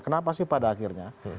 kenapa sih pada akhirnya